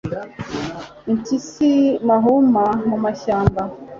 impyisi mahuma mumashyamba